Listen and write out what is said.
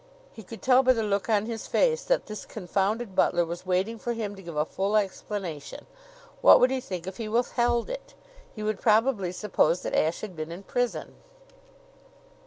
He could tell by the look on his face that this confounded butler was waiting for him to give a full explanation. What would he think if he withheld it? He would probably suppose that Ashe had been in prison.